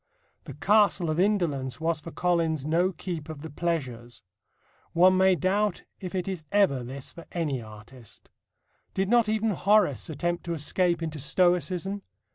The Castle of Indolence was for Collins no keep of the pleasures. One may doubt if it is ever this for any artist. Did not even Horace attempt to escape into Stoicism?